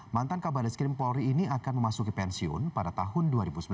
mantan kabar reskrim polri ini akan memasuki pensiun pada tahun dua ribu sembilan belas